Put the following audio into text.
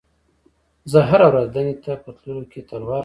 زه هره ورځ دندې ته په تللو کې تلوار کوم.